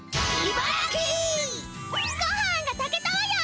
ごはんがたけたわよ！